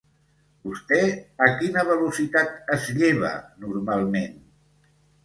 Vostè a quina velocitat es lleva normalment?